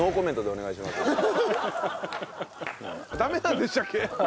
ダメなんでしたっけ？